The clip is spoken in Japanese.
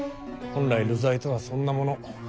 本来流罪とはそんなもの。